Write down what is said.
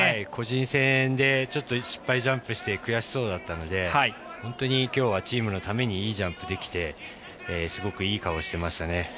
個人戦で失敗ジャンプして悔しそうだったので本当にきょうはチームのためにいいジャンプできてすごくいい顔してましたね。